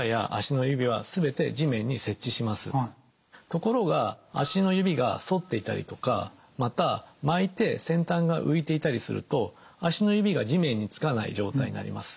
ところが足の指が反っていたりとかまた巻いて先端が浮いていたりすると足の指が地面に着かない状態になります。